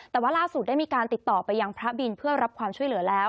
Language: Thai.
แต่ว่าล่าสุดได้มีการติดต่อไปยังพระบินเพื่อรับความช่วยเหลือแล้ว